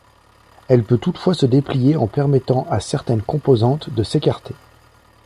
Elle peut toutefois se déplier en permettant à certaines composantes de s'écarter.